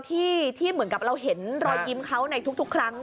ที่เหมือนกับเราเห็นรอยยิ้มเขาในทุกครั้ง